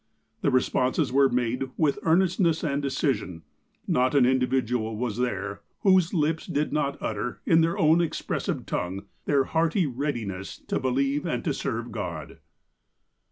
The responses were made with earnestness and decision. Not an individual was there whose lips did not utter, in their own expressive tongue, their hearty readiness to believe and to serve God."